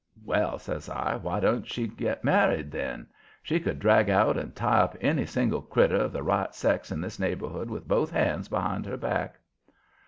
"Well," says I, "why don't she get married then? She could drag out and tie up any single critter of the right sex in this neighborhood with both hands behind her back."